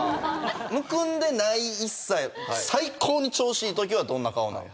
むくんでない一切最高に調子いい時はどんな顔なんや？